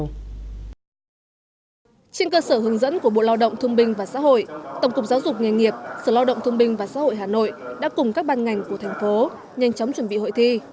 trên cơ sở hướng dẫn của bộ lao động thương binh và xã hội tổng cục giáo dục nghề nghiệp sở lao động thương binh và xã hội hà nội đã cùng các ban ngành của thành phố nhanh chóng chuẩn bị hội thi